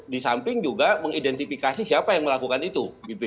di samping juga mengidentifikasi siapa yang melakukan itu